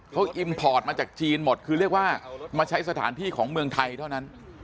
เขาอิมพอร์ตมาจากจีนหมดคือเรียกว่ามาใช้สถานที่ของเมืองไทยเท่านั้น